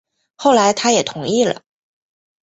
后来他也同意了